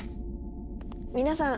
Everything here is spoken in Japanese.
皆さん